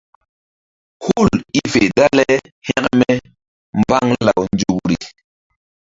Hul i fe dale hȩkme mbaŋ law nzukri.